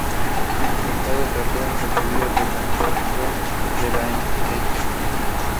Svanberg completed her specialist training in oncology.